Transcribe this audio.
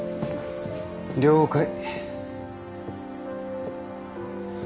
了解。